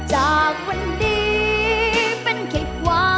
จริง